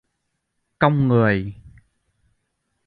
Cong người